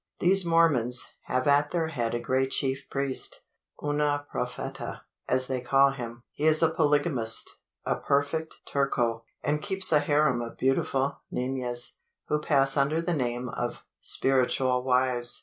These Mormons have at their head a great chief priest una propheta, as they call him. He is a polygamist a perfect Turco and keeps a harem of beautiful ninas, who pass under the name of `spiritual wives.'